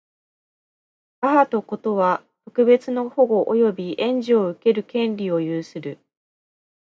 母と子とは、特別の保護及び援助を受ける権利を有する。